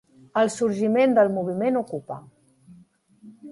El sorgiment del moviment ocupa.